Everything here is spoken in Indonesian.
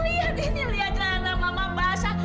lihat ini lihat lala mama basah